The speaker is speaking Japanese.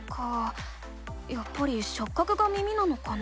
やっぱりしょっ角が耳なのかな？